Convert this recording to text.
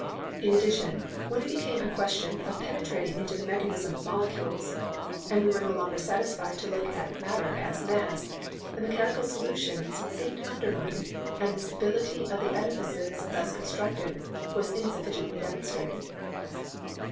In addition, when it became a question of penetrating into the mechanism of molecules, and we were no longer satisfied to look at matter as a mass, the mechanical solutions seemed undetermined and the stability of the edifices thus constructed was insufficiently demonstrated.